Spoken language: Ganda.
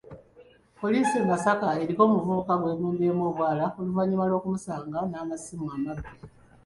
Poliisi e Masaka eriko omuvubuka gwegombyemu obwala oluvannyuma lw'okumusanga n'amasimu amabbe.